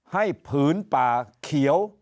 ให้ผืนป่าเขียว